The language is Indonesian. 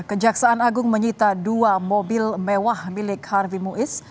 kejaksaan agung menyita dua mobil mewah milik harvi muiz